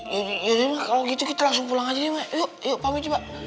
yaudah yaudah kalau gitu kita langsung pulang aja deh yuk pamer coba